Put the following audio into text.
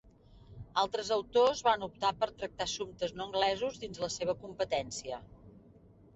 Altres autors van optar per tractar assumptes no anglesos dins la seva competència.